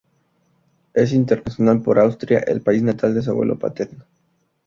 Es internacional por Austria, el país natal de su abuelo paterno.